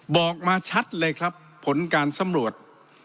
บอกมาชัดเลยครับผลการสำรวจ